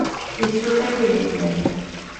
Yessuter idrimen.